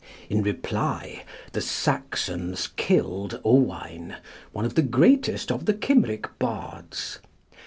In reply, the Saxons killed Owain, one of the greatest of the Cymric bards.